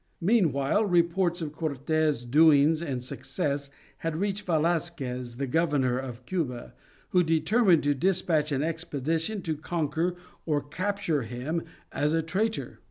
Meanwhile reports of Cortes' doings and success had reached Velasquez the Governor of Cuba, who determined to despatch an expedition to conquer or capture him as a traitor.